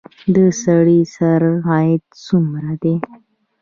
د سړي سر عاید څومره دی؟